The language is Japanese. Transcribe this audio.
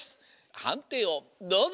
はんていをどうぞ！